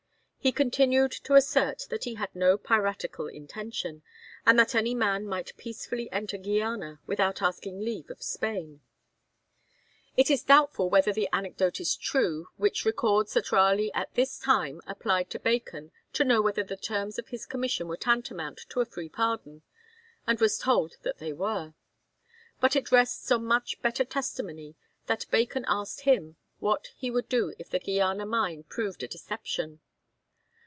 He continued to assert that he had no piratical intention, and that any man might peacefully enter Guiana without asking leave of Spain. It is doubtful whether the anecdote is true which records that Raleigh at this time applied to Bacon to know whether the terms of his commission were tantamount to a free pardon, and was told that they were. But it rests on much better testimony that Bacon asked him what he would do if the Guiana mine proved a deception.